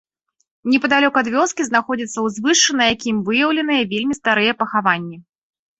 Непадалёк ад вёскі знаходзіцца ўзвышша, на якім выяўленыя вельмі старыя пахаванні.